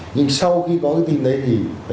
nhưng sau khi có cái tin đấy thì nó đã dừng